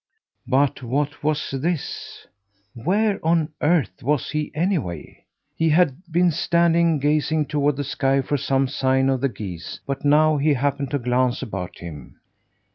But what was this? Where on earth was he anyway? He had been standing gazing toward the sky for some sign of the geese, but now he happened to glance about him.